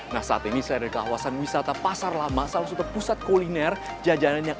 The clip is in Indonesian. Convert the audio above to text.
nah saat ini saya ada di kawasan wisata pasar lama salah satu pusat kuliner jajanan yang